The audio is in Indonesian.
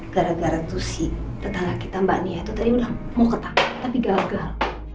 gara gara itu si tetangga kita mbak nia itu tadi udah mau ketakut tapi gagal